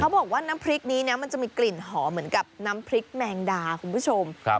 บอกว่าน้ำพริกนี้นะมันจะมีกลิ่นหอมเหมือนกับน้ำพริกแมงดาคุณผู้ชม